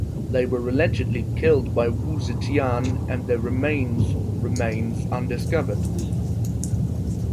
They were allegedly killed by Wu Zetian and their remains remains undiscovered.